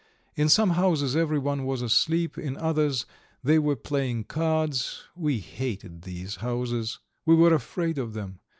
In some houses everyone was asleep, in others they were playing cards; we hated these houses; we were afraid of them.